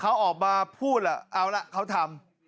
เขาออกมาพูดเอาละเขาทำ